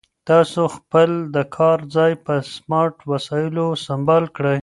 تاسو خپل د کار ځای په سمارټ وسایلو سمبال کړئ.